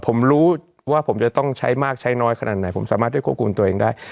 ผมรู้ว่าผมจะต้องใช้มากใช้น้อยขนาดไหนผมสามารถได้ควบคุมตัวเองได้